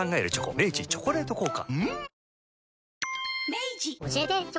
明治「チョコレート効果」